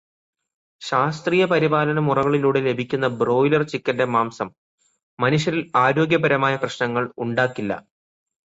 ശാസ്ത്രീയപരിപാലനമുറകളിലൂടെ ലഭിക്കുന്ന ബ്രോയ്ലർ ചിക്കന്റെ മാംസം മനുഷ്യരിൽ ആരോഗ്യപരമായ പ്രശ്നങ്ങൾ ഉണ്ടാക്കില്ല.